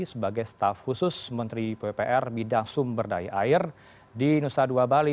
sebagai staf khusus menteri pupr bidang sumber daya air di nusa dua bali